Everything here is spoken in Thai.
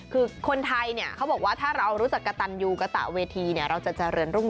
คือคนไทยเขาบอกว่าถ้าเรารู้จักกะตันยูกะตะเวทีเราจะเจริญรุ่ง